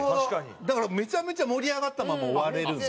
だからめちゃめちゃ盛り上がったまま終われるんで。